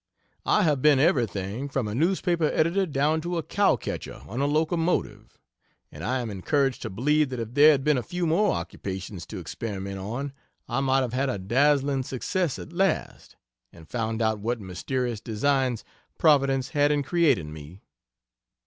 I have been everything, from a newspaper editor down to a cow catcher on a locomotive, and I am encouraged to believe that if there had been a few more occupations to experiment on, I might have made a dazzling success at last, and found out what mysterious designs Providence had in creating me.